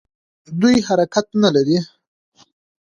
دوی حرکت نه لري.